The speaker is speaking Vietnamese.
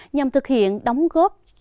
nhằm thực hiện đóng góp tổ chức tài năng